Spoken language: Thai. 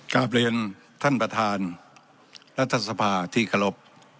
กลับเรียนท่านประธานรัฐสภาที่เคารพ